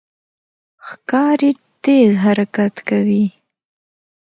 ښکاري تېز حرکت کوي.